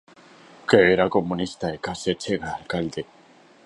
Que era comunista e case chega a alcalde.